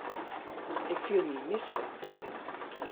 Ik fiel my mislik.